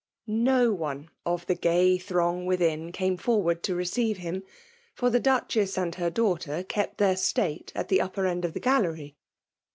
.No one of the gay throng within came forward to receive him> for the Duchess and her daughters kept their state at the upper end of the gallery.